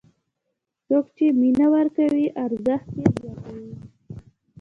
څوک چې مینه ورکوي، ارزښت یې زیاتوي.